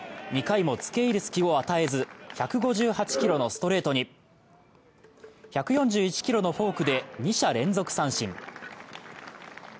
２回も付け入る隙を与えず、１５８キロのストレートに１４１キロのフォークで二者連続三振